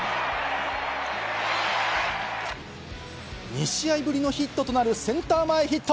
２試合ぶりのヒットとなるセンター前ヒット！